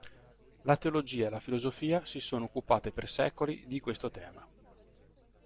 La teologia e la filosofia si sono occupate per secoli di questo tema.